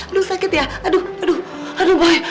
aduh sakit ya aduh aduh aduh boy